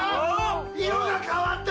色が変わった！